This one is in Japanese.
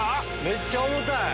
めっちゃ重たい！